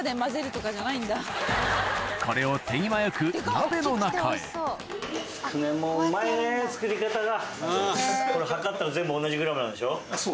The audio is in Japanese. これを手際よく鍋の中へつくねもうまいね作り方が。